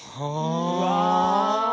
うわ！